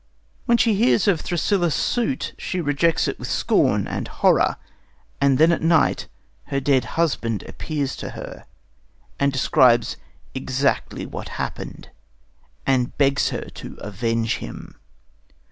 When she hears of Thrasyllus's suit, she rejects it with scorn and horror; and then at night her dead husband appears to her and describes exactly what happened, and begs her to avenge him.